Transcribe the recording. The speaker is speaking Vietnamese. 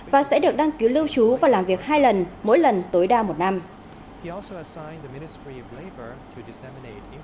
và sẽ được đăng cứu lưu trú và làm việc hai lần mỗi lần tối đa một năm